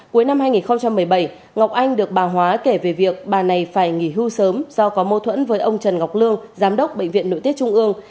cuối năm hai nghìn một mươi bảy ngọc anh được bà hóa kể về việc bà này phải nghỉ hưu sớm do có mâu thuẫn với ông trần ngọc lương giám đốc bệnh viện nội tiết trung ương